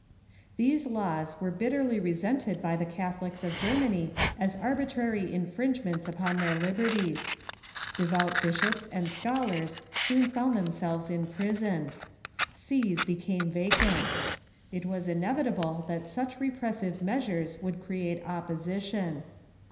These laws were bitterly resented by the Catholics of Ger many as arbitrary infringements upon their liberties. De vout bishops and scholars soon found themselves in prison. Sees became vacant. It Avas inevitable that such repressive measures would create opposition.